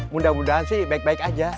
mudah mudahan sih baik baik aja